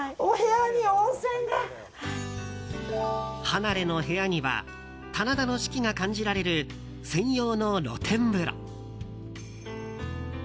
離れの部屋には棚田の四季が感じられる専用の露天風呂。